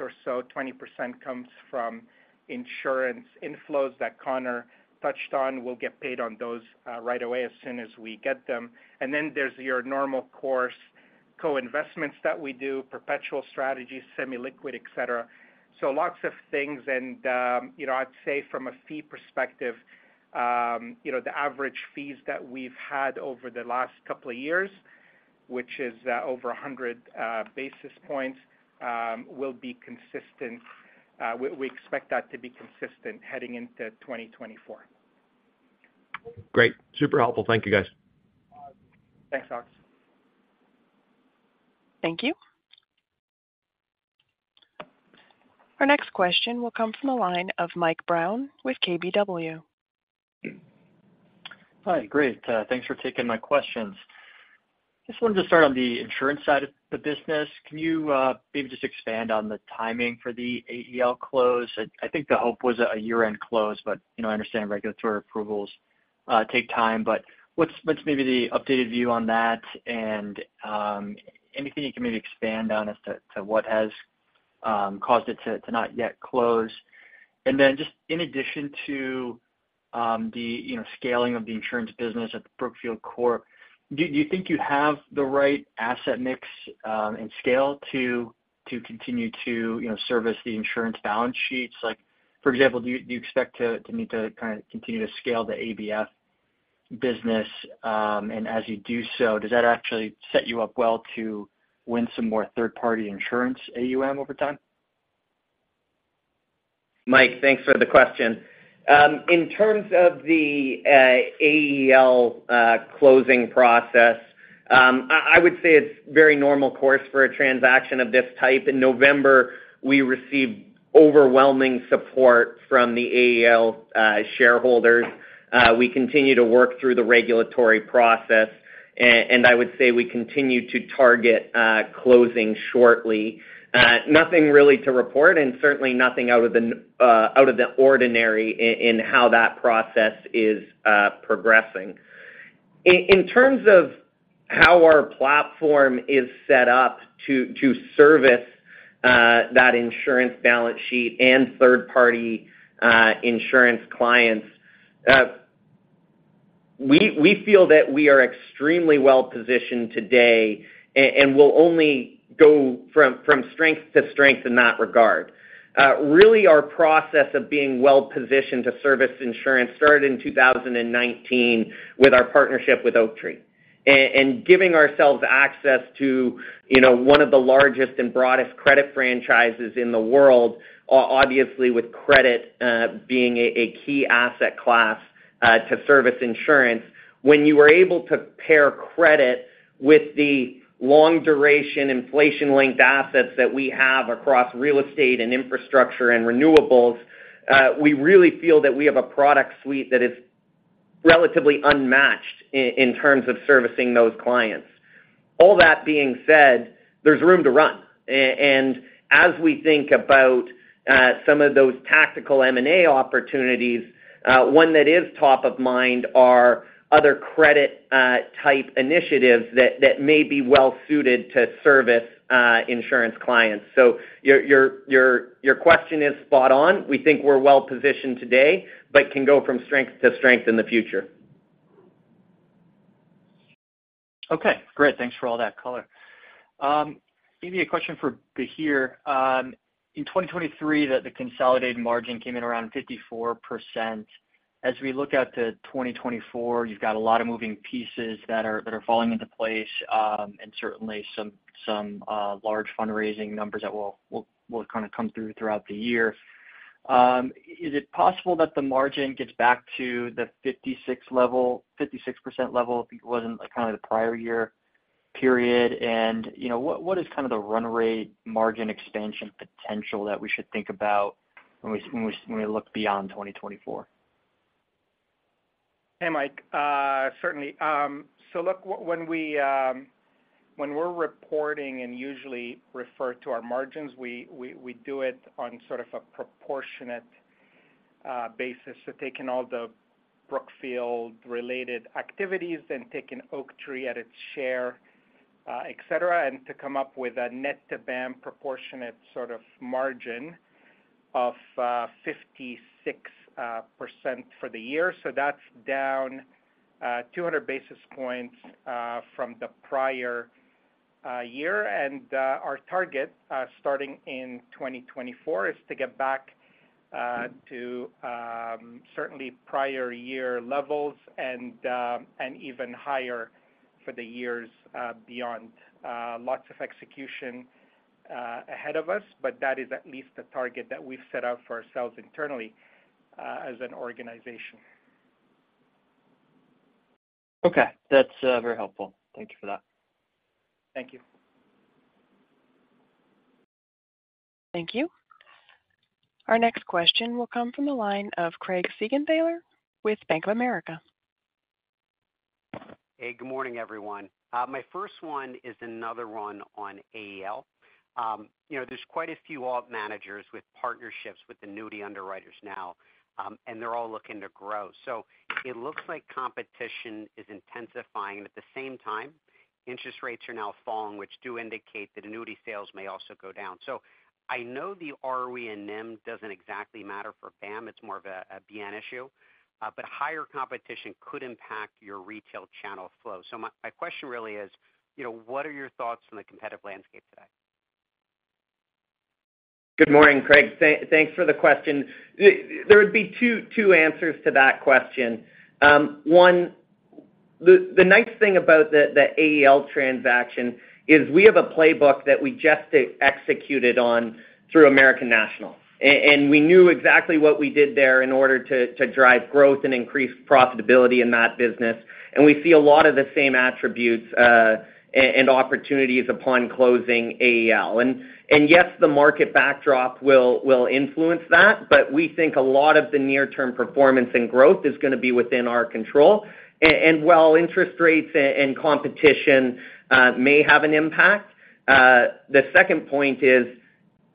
or so, 20%, comes from insurance inflows that Connor touched on. We'll get paid on those right away as soon as we get them. And then there's your normal course co-investments that we do, perpetual strategies, semi-liquid, et cetera. So lots of things, and, you know, I'd say from a fee perspective, you know, the average fees that we've had over the last couple of years, which is over 100 basis points, will be consistent. We expect that to be consistent heading into 2024. Great. Super helpful. Thank you, guys. Thanks, Alex. Thank you. Our next question will come from the line of Mike Brown with KBW. Hi, great. Thanks for taking my questions. Just wanted to start on the insurance side of the business. Can you maybe just expand on the timing for the AEL close? I think the hope was a year-end close, but, you know, I understand regulatory approvals take time. But what's maybe the updated view on that? And anything you can maybe expand on as to what caused it to not yet close. And then just in addition to the you know scaling of the insurance business at the Brookfield Corp, do you think you have the right asset mix and scale to continue to service the insurance balance sheets? Like, for example, do you expect to need to kind of continue to scale the ABF business? As you do so, does that actually set you up well to win some more third-party insurance AUM over time? Mike, thanks for the question. In terms of the AEL closing process, I would say it's very normal course for a transaction of this type. In November, we received overwhelming support from the AEL shareholders. We continue to work through the regulatory process, and I would say we continue to target closing shortly. Nothing really to report, and certainly nothing out of the ordinary in how that process is progressing. In terms of how our platform is set up to service that insurance balance sheet and third-party insurance clients, we feel that we are extremely well positioned today, and will only go from strength to strength in that regard. Really, our process of being well positioned to service insurance started in 2019 with our partnership with Oaktree. And giving ourselves access to, you know, one of the largest and broadest credit franchises in the world, obviously, with credit being a key asset class to service insurance. When you are able to pair credit with the long duration, inflation-linked assets that we have across real estate and infrastructure and renewables, we really feel that we have a product suite that is relatively unmatched in terms of servicing those clients. All that being said, there's room to run. And as we think about some of those tactical M&A opportunities, one that is top of mind are other credit type initiatives that may be well suited to service insurance clients. Your question is spot on. We think we're well positioned today, but can go from strength to strength in the future. Okay, great. Thanks for all that color. Maybe a question for Bahir. In 2023, the consolidated margin came in around 54%. As we look out to 2024, you've got a lot of moving pieces that are falling into place, and certainly some large fundraising numbers that will kind of come through throughout the year. Is it possible that the margin gets back to the 56% level, 56% level, I think it was in, like, kind of the prior year period? And, you know, what is kind of the run rate margin expansion potential that we should think about when we look beyond 2024? Hey, Mike, certainly. So look, when we, when we're reporting and usually refer to our margins, we, we, we do it on sort of a proportionate basis. So taking all the Brookfield-related activities and taking Oaktree at its share, et cetera, and to come up with a net-to-BAM proportionate sort of margin of 56% for the year. So that's down 200 basis points from the prior year. And our target, starting in 2024, is to get back to certainly prior year levels and even higher for the years beyond. Lots of execution ahead of us, but that is at least the target that we've set out for ourselves internally as an organization. Okay. That's very helpful. Thank you for that. Thank you. Thank you. Our next question will come from the line of Craig Siegenthaler with Bank of America. Hey, good morning, everyone. My first one is another one on AEL. You know, there's quite a few alt managers with partnerships with annuity underwriters now, and they're all looking to grow. So it looks like competition is intensifying, but at the same time, interest rates are now falling, which do indicate that annuity sales may also go down. So I know the ROE and NIM doesn't exactly matter for BAM, it's more of a BN issue, but higher competition could impact your retail channel flow. So my question really is, you know, what are your thoughts on the competitive landscape today? Good morning, Craig. Thanks for the question. There would be two answers to that question. One, the nice thing about the AEL transaction is we have a playbook that we just executed on through American National, and we knew exactly what we did there in order to drive growth and increase profitability in that business. And we see a lot of the same attributes and opportunities upon closing AEL. And yes, the market backdrop will influence that, but we think a lot of the near-term performance and growth is gonna be within our control. And while interest rates and competition may have an impact, the second point is...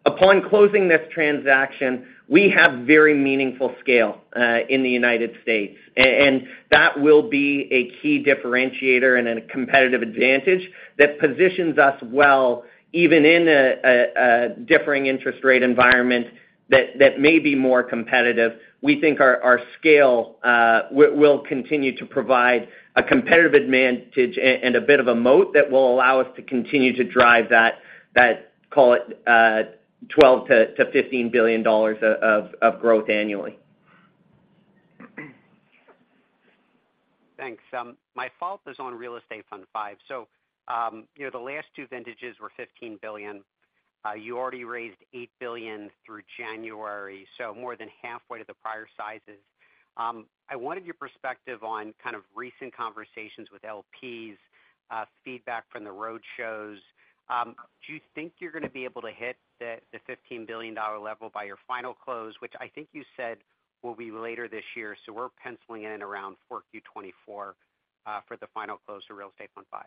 Upon closing this transaction, we have very meaningful scale in the United States. And that will be a key differentiator and a competitive advantage that positions us well, even in a differing interest rate environment that may be more competitive. We think our scale will continue to provide a competitive advantage and a bit of a moat that will allow us to continue to drive that, call it, $12 billion-$15 billion of growth annually. Thanks. My follow-up is on Real Estate Fund V. So, you know, the last two vintages were $15 billion. You already raised $8 billion through January, so more than halfway to the prior sizes. I wanted your perspective on kind of recent conversations with LPs, feedback from the roadshows. Do you think you're gonna be able to hit the, the $15 billion level by your final close, which I think you said will be later this year? So we're penciling in around 4Q 2024, for the final close to Real Estate Fund V.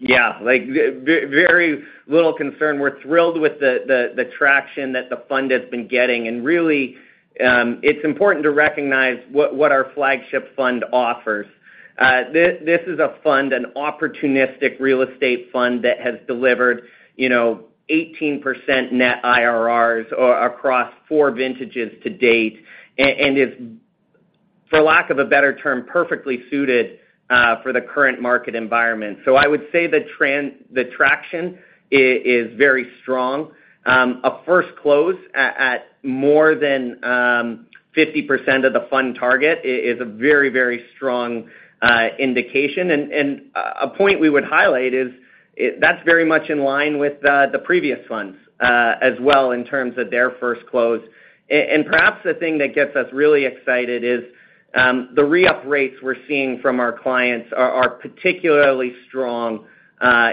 Yeah, like, very little concern. We're thrilled with the traction that the fund has been getting, and really, it's important to recognize what our flagship fund offers. This is a fund, an opportunistic real estate fund that has delivered, you know, 18% net IRRs across 4 vintages to date, and is, for lack of a better term, perfectly suited for the current market environment. So I would say the traction is very strong. A first close at more than 50% of the fund target is a very, very strong indication. And a point we would highlight is, that's very much in line with the previous ones, as well, in terms of their first close. And perhaps the thing that gets us really excited is the re-up rates we're seeing from our clients are particularly strong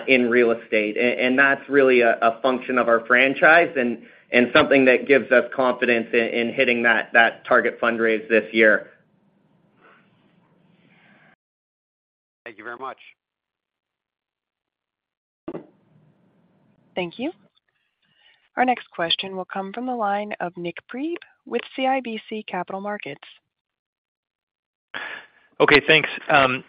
in real estate. And that's really a function of our franchise and something that gives us confidence in hitting that target fundraise this year. Thank you very much. Thank you. Our next question will come from the line of Nik Priebe with CIBC Capital Markets. Okay, thanks.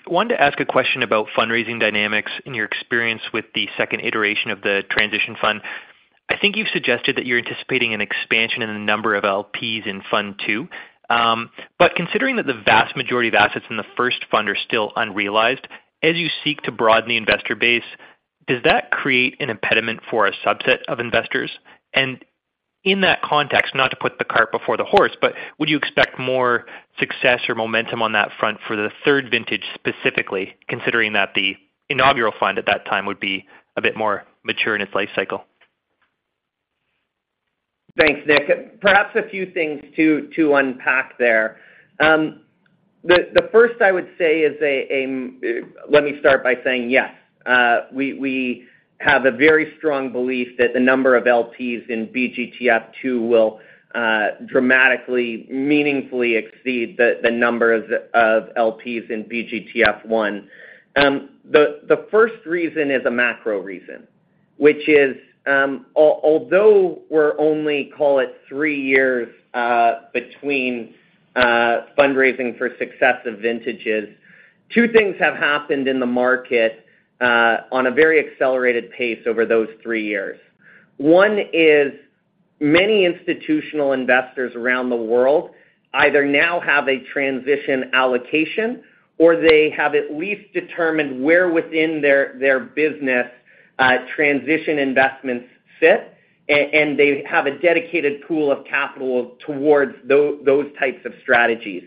Wanted to ask a question about fundraising dynamics in your experience with the second iteration of the transition fund. I think you've suggested that you're anticipating an expansion in the number of LPs in Fund II. But considering that the vast majority of assets in the first fund are still unrealized, as you seek to broaden the investor base, does that create an impediment for a subset of investors? And in that context, not to put the cart before the horse, but would you expect more success or momentum on that front for the third vintage, specifically, considering that the inaugural fund at that time would be a bit more mature in its life cycle? Thanks, Nik. Perhaps a few things to unpack there. The first I would say is a-- Let me start by saying yes, we have a very strong belief that the number of LPs in BGTF II will dramatically, meaningfully exceed the number of LPs in BGTF I. The first reason is a macro reason, which is, although we're only call it three years between fundraising for successive vintages, two things have happened in the market on a very accelerated pace over those three years. One is many institutional investors around the world either now have a transition allocation, or they have at least determined where within their business transition investments fit, and they have a dedicated pool of capital towards those types of strategies.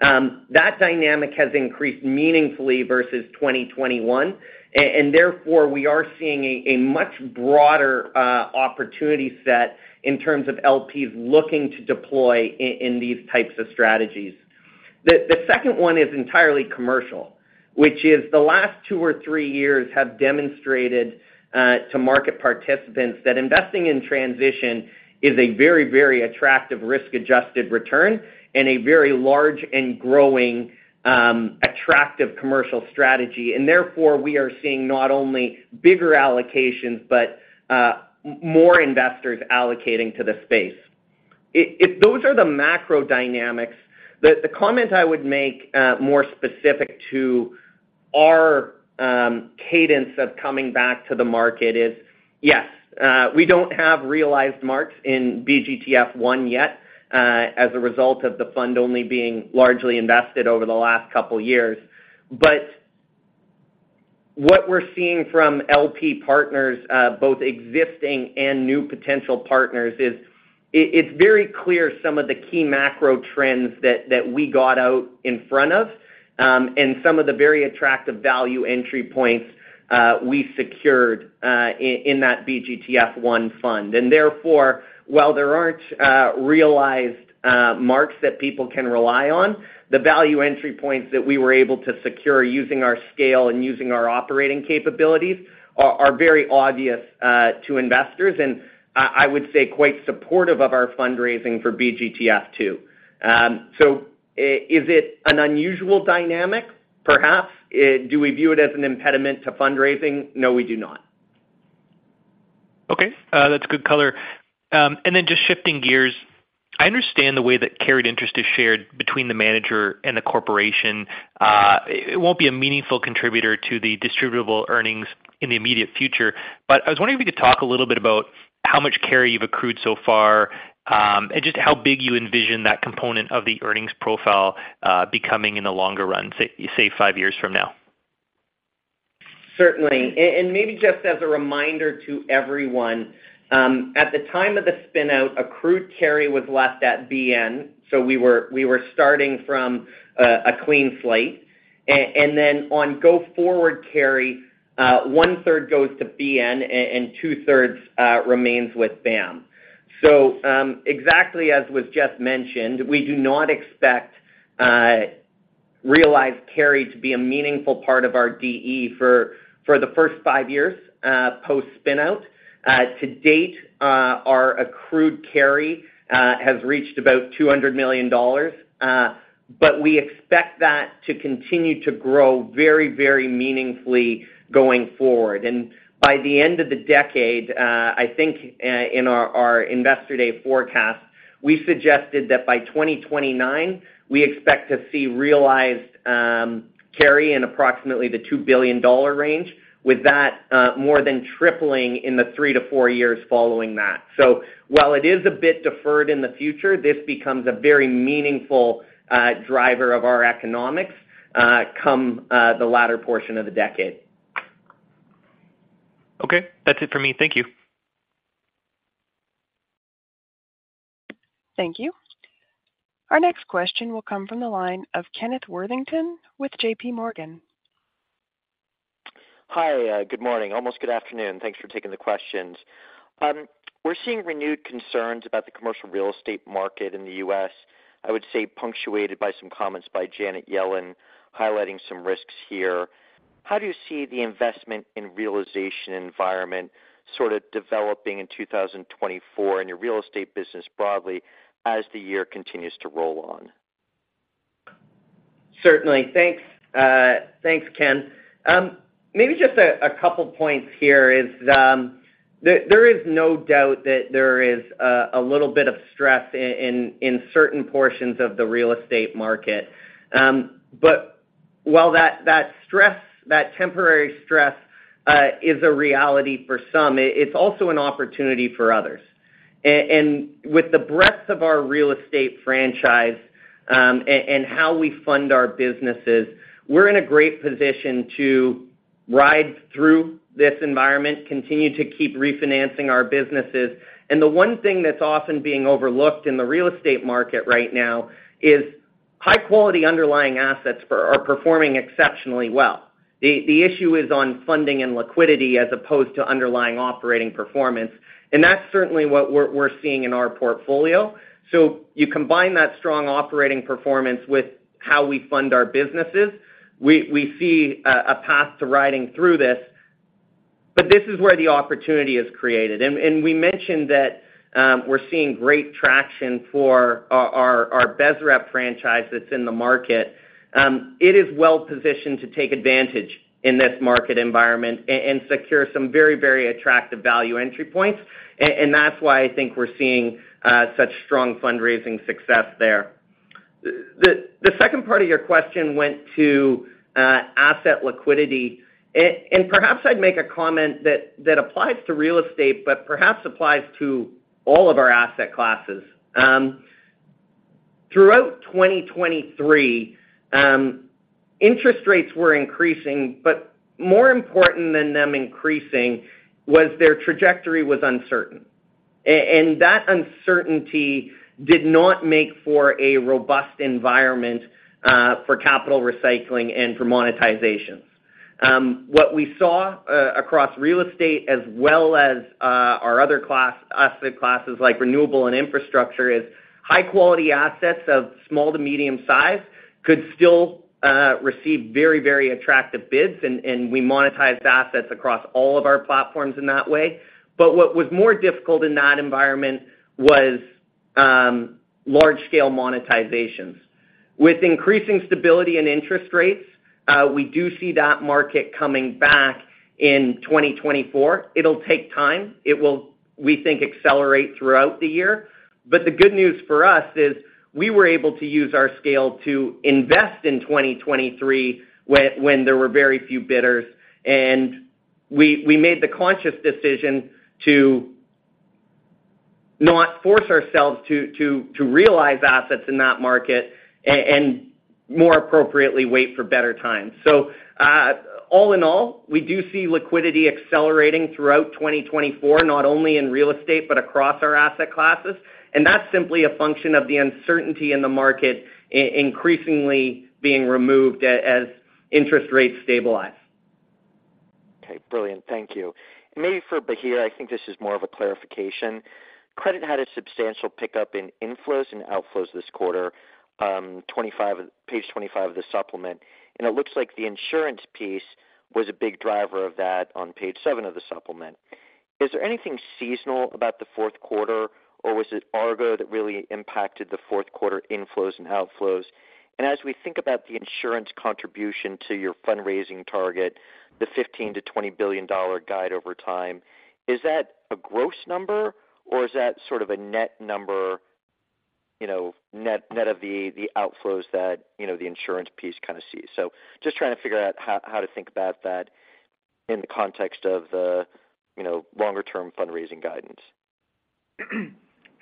That dynamic has increased meaningfully versus 2021, and therefore, we are seeing a much broader opportunity set in terms of LPs looking to deploy in these types of strategies. The second one is entirely commercial, which is the last 2 or 3 years have demonstrated to market participants that investing in transition is a very, very attractive risk-adjusted return and a very large and growing attractive commercial strategy. And therefore, we are seeing not only bigger allocations, but more investors allocating to the space. If those are the macro dynamics, the comment I would make more specific to our cadence of coming back to the market is: yes, we don't have realized marks in BGTF I yet, as a result of the fund only being largely invested over the last couple of years. But what we're seeing from LP partners, both existing and new potential partners, is it's very clear some of the key macro trends that we got out in front of, and some of the very attractive value entry points we secured in that BGTF I fund. And therefore, while there aren't realized marks that people can rely on, the value entry points that we were able to secure using our scale and using our operating capabilities are very obvious to investors, and I would say, quite supportive of our fundraising for BGTF II. So is it an unusual dynamic? Perhaps, do we view it as an impediment to fundraising? No, we do not. Okay, that's good color. And then just shifting gears. I understand the way that carried interest is shared between the manager and the corporation. It won't be a meaningful contributor to the distributable earnings in the immediate future. But I was wondering if you could talk a little bit about how much carry you've accrued so far, and just how big you envision that component of the earnings profile, becoming in the longer run, say, five years from now? Certainly. And maybe just as a reminder to everyone, at the time of the spin-out, accrued carry was left at BN. So we were starting from a clean slate. And then on go forward carry, one-third goes to BN and two-thirds remains with BAM. So, exactly as was just mentioned, we do not expect realized carry to be a meaningful part of our DE for the first five years post-spinout. To date, our accrued carry has reached about $200 million, but we expect that to continue to grow very, very meaningfully going forward. By the end of the decade, I think, in our Investor Day forecast, we suggested that by 2029, we expect to see realized carry in approximately the $2 billion range, with that more than tripling in the three to four years following that. So while it is a bit deferred in the future, this becomes a very meaningful driver of our economics, come the latter portion of the decade. Okay. That's it for me. Thank you. Thank you. Our next question will come from the line of Kenneth Worthington with JP Morgan. Hi, good morning, almost good afternoon. Thanks for taking the questions. We're seeing renewed concerns about the commercial real estate market in the U.S., I would say punctuated by some comments by Janet Yellen, highlighting some risks here. How do you see the investment and realization environment sort of developing in 2024 in your real estate business broadly as the year continues to roll on? Certainly. Thanks, thanks, Ken. Maybe just a couple points here is, there is no doubt that there is a little bit of stress in certain portions of the real estate market. But while that stress, that temporary stress is a reality for some, it's also an opportunity for others. And with the breadth of our real estate franchise, and how we fund our businesses, we're in a great position to ride through this environment, continue to keep refinancing our businesses. And the one thing that's often being overlooked in the real estate market right now is high-quality underlying assets are performing exceptionally well. The issue is on funding and liquidity as opposed to underlying operating performance, and that's certainly what we're seeing in our portfolio. So you combine that strong operating performance with how we fund our businesses, we see a path to riding through this. But this is where the opportunity is created. And we mentioned that, we're seeing great traction for our BREP franchise that's in the market. It is well-positioned to take advantage in this market environment and secure some very, very attractive value entry points, and that's why I think we're seeing such strong fundraising success there. The second part of your question went to asset liquidity. And perhaps I'd make a comment that that applies to real estate, but perhaps applies to all of our asset classes. Throughout 2023, interest rates were increasing, but more important than them increasing was their trajectory was uncertain. And that uncertainty did not make for a robust environment for capital recycling and for monetizations. What we saw across real estate, as well as our other asset classes, like renewable and infrastructure, is high-quality assets of small to medium size could still receive very, very attractive bids, and we monetized assets across all of our platforms in that way. But what was more difficult in that environment was large-scale monetizations. With increasing stability in interest rates, we do see that market coming back in 2024. It'll take time. It will, we think, accelerate throughout the year. But the good news for us is we were able to use our scale to invest in 2023 when there were very few bidders, and we made the conscious decision to not force ourselves to realize assets in that market and more appropriately wait for better times. So, all in all, we do see liquidity accelerating throughout 2024, not only in real estate, but across our asset classes. And that's simply a function of the uncertainty in the market increasingly being removed as interest rates stabilize. Okay, brilliant. Thank you. Maybe for Bahir, I think this is more of a clarification. Credit had a substantial pickup in inflows and outflows this quarter, 25, page 25 of the supplement, and it looks like the insurance piece was a big driver of that on page 7 of the supplement. Is there anything seasonal about the fourth quarter, or was it Argo that really impacted the fourth quarter inflows and outflows? And as we think about the insurance contribution to your fundraising target, the $15 billion-$20 billion guide over time, is that a gross number or is that sort of a net number, you know, net, net of the outflows that, you know, the insurance piece kind of sees? So just trying to figure out how to think about that in the context of the, you know, longer-term fundraising guidance.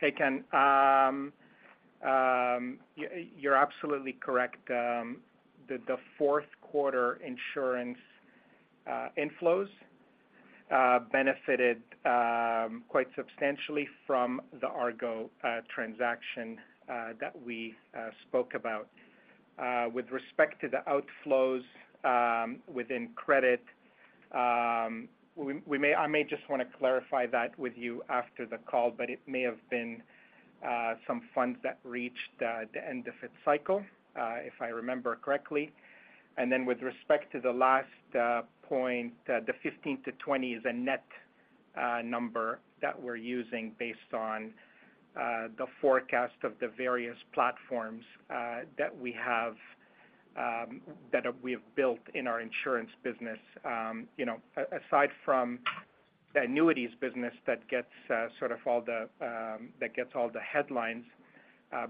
Hey, Ken, you're absolutely correct. The fourth quarter insurance inflows benefited quite substantially from the Argo transaction that we spoke about. With respect to the outflows within credit, I may just want to clarify that with you after the call, but it may have been some funds that reached the end of its cycle, if I remember correctly. Then with respect to the last point, the 15-20 is a net number that we're using based on the forecast of the various platforms that we have built in our insurance business. You know, aside from the annuities business that gets sort of all the headlines,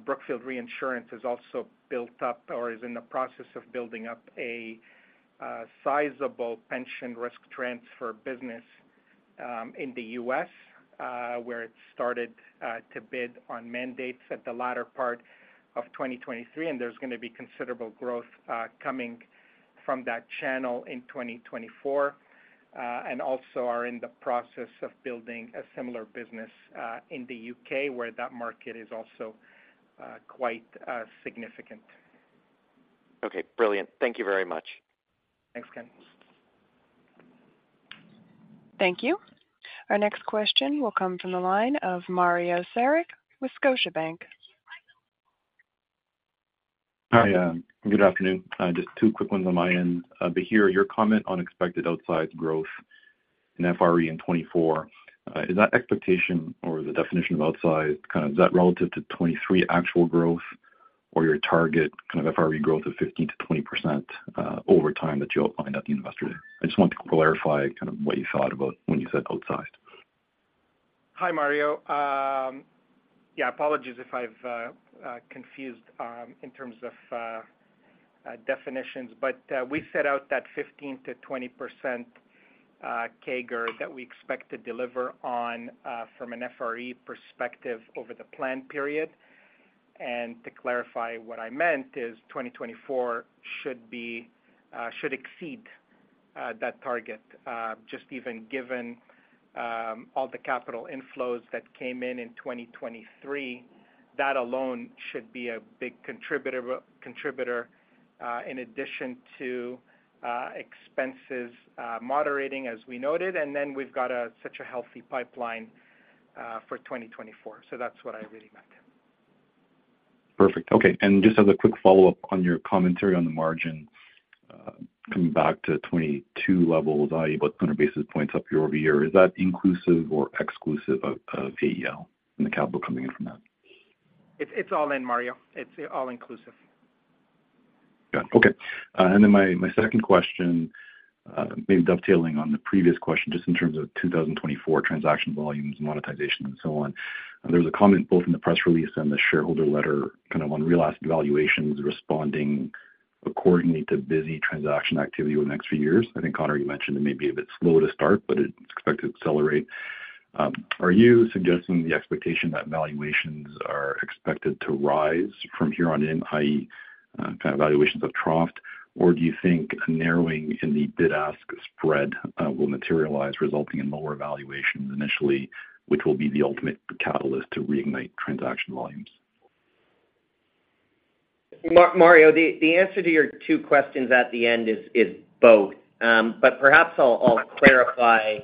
Brookfield Reinsurance has also built up, or is in the process of building up a sizable pension risk transfer business in the U.S., where it started to bid on mandates at the latter part of 2023, and there's gonna be considerable growth coming from that channel in 2024. And also are in the process of building a similar business in the U.K., where that market is also quite significant. Okay, brilliant. Thank you very much. Thanks, Ken. Thank you. Our next question will come from the line of Mario Saric with Scotiabank. Hi, good afternoon. Just two quick ones on my end. Bahir, your comment on expected outsized growth in FRE in 2024, is that expectation or the definition of outsized, kind of, is that relative to 2023 actual growth or your target kind of FRE growth of 15%-20%, over time that you outlined at the investor? I just want to clarify kind of what you thought about when you said outsized. Hi, Mario. Yeah, apologies if I've confused in terms of definitions, but we set out that 15%-20% CAGR that we expect to deliver on from an FRE perspective over the plan period. To clarify, what I meant is 2024 should be should exceed that target just even given all the capital inflows that came in in 2023, that alone should be a big contributor in addition to expenses moderating, as we noted, and then we've got such a healthy pipeline for 2024. So that's what I really meant. Perfect. Okay. And just as a quick follow-up on your commentary on the margin, coming back to 22 levels, i.e., about 100 basis points up year-over-year. Is that inclusive or exclusive of AEL and the capital coming in from that? It's all in, Mario. It's all inclusive. Got it. Okay. And then my, my second question, maybe dovetailing on the previous question, just in terms of 2024 transaction volumes, monetization and so on. There was a comment both in the press release and the shareholder letter, kind of on real asset valuations responding accordingly to busy transaction activity over the next few years. I think, Connor, you mentioned it may be a bit slow to start, but it's expected to accelerate. Are you suggesting the expectation that valuations are expected to rise from here on in, i.e., kind of valuations have troughed? Or do you think a narrowing in the bid-ask spread will materialize, resulting in lower valuations initially, which will be the ultimate catalyst to reignite transaction volumes? Mario, the answer to your two questions at the end is both. But perhaps I'll clarify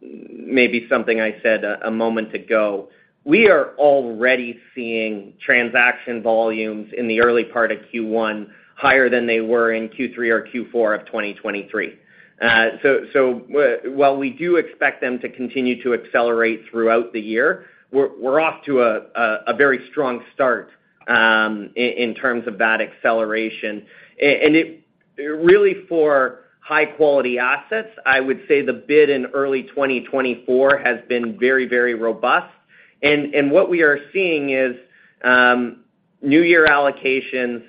maybe something I said a moment ago. We are already seeing transaction volumes in the early part of Q1 higher than they were in Q3 or Q4 of 2023. So while we do expect them to continue to accelerate throughout the year, we're off to a very strong start in terms of that acceleration. And it really for high-quality assets, I would say the bid in early 2024 has been very robust. And what we are seeing is new year allocations,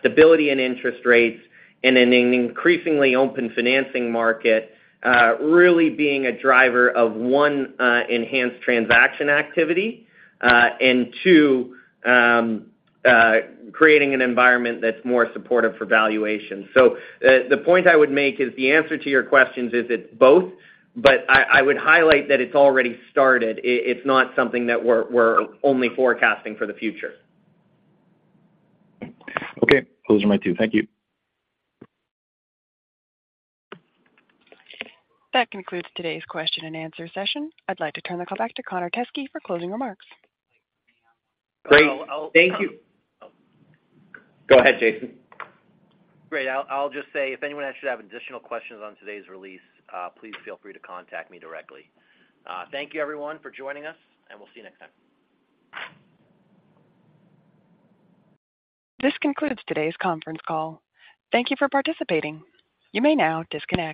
stability in interest rates, and an increasingly open financing market really being a driver of one, enhanced transaction activity, and two, creating an environment that's more supportive for valuation. So the point I would make is the answer to your questions is it's both, but I would highlight that it's already started. It's not something that we're only forecasting for the future. Okay. Those are my two. Thank you. That concludes today's question and answer session. I'd like to turn the call back to Connor Teskey for closing remarks. Great. Thank you. Go ahead, Jason. Great. I'll, I'll just say if anyone else should have additional questions on today's release, please feel free to contact me directly. Thank you everyone for joining us, and we'll see you next time. This concludes today's conference call. Thank you for participating. You may now disconnect.